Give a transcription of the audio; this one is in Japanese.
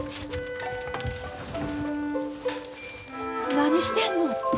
何してんの？